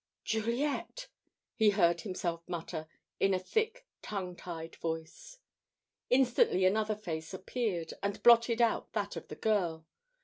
"Juliet!" he heard himself mutter, in a thick, tongue tied voice. Instantly another face appeared, and blotted out that of the girl.